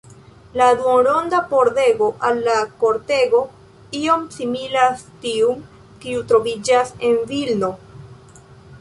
La duonronda pordego al la kortego iom similas tiun, kiu troviĝas en Vilno.